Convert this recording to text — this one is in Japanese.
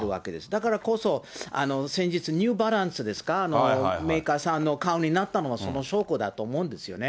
だからこそ、先日、ニューバランスですか、メーカーさんの顔になったのは、その証拠だと思うんですよね。